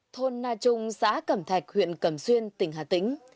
thôn na trung xã cẩm thạch huyện cẩm xuyên tỉnh hà tĩnh